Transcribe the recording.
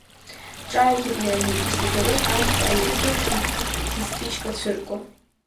Ҿааиҭит Леонид, исигарет амца аиркырц, исԥычка цәырго.